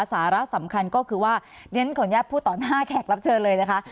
สาระสำคัญก็คือว่าเรียนขออนุญาตพูดต่อหน้าแขกรับเชิญเลยนะคะ